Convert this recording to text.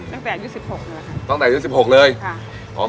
ตั้งแต่ยุทธิ์สิบหกแล้วล่ะค่ะตั้งแต่ยุทธิ์สิบหกเลยค่ะอ๋อ